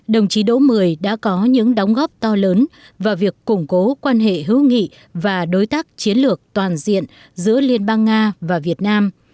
đồng chí đỗ mười đã có những đóng góp to lớn vào việc củng cố quan hệ hữu nghị và đối tác chiến lược toàn diện giữa liên bang nga và việt nam